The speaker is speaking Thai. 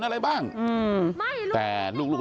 เดี๋ยวให้กลางกินขนม